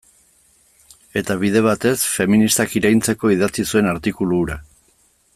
Eta bide batez, feministak iraintzeko idatzi zuen artikulu hura.